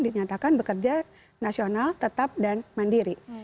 dinyatakan bekerja nasional tetap dan mandiri